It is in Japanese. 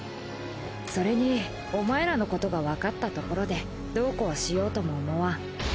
それにお前らのことがわかったところでどうこうしようとも思わん。